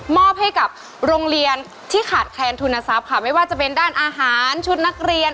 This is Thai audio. อบให้กับโรงเรียนที่ขาดแคลนทุนทรัพย์ค่ะไม่ว่าจะเป็นด้านอาหารชุดนักเรียน